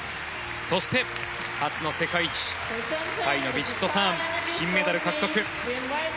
そして、初の世界一タイのヴィチットサーン金メダル獲得。